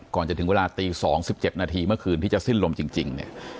ก่อนจะถึงเวลาตี๒๗นาทีเมื่อคืนที่จะสิ้นลมจริงเนี่ย